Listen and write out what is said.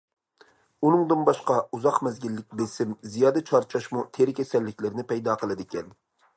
ئۇنىڭدىن باشقا ئۇزاق مەزگىللىك بېسىم، زىيادە چارچاشمۇ تېرە كېسەللىكلىرىنى پەيدا قىلىدىكەن.